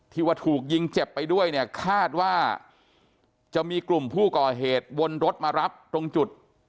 ที่ว่าถูกยิงเจ็บไปด้วยเนี่ยคาดว่าจะมีกลุ่มผู้ก่อเหตุวนรถมารับตรงจุด